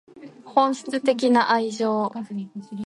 本質的な愛情